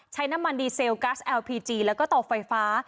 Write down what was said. ใช้น้ำมันดีเซลกัสแอลพีจีแล้วก็เตาไฟฟ้า